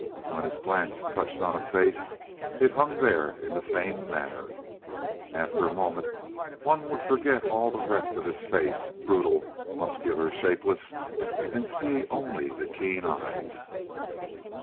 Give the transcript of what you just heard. When his glance touched on a face, it hung there in the same manner. After a moment one would forget all the rest of his face, brutal, muscular, shapeless, and see only the keen eyes.